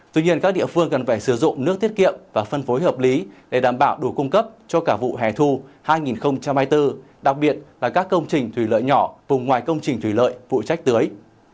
hai hai mươi ba hai hai mươi bốn tuy nhiên các địa phương cần phải sử dụng nước thiết kiệm và phân phối hợp lý để đảm bảo đủ cung cấp cho cả vụ hẻ thu hai hai mươi bốn đặc biệt là các công trình thủy lợi nhỏ vùng ngoài công trình thủy lợi vụ trách tưới